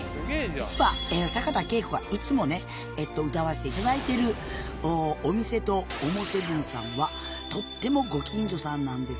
実は坂田佳子がいつもね歌わせていただいているお店とＯＭＯ７さんはとってもご近所さんなんです。